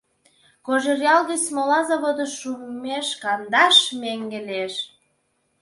Кожеръял гыч смола заводыш шумеш кандаш меҥге лиеш.